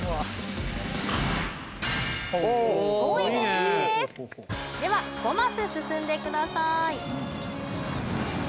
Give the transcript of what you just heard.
おっ５位ですでは５マス進んでください